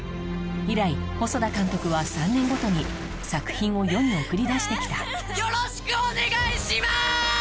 以来細田監督は３年ごとに作品を世に送り出して来たよろしくお願いします‼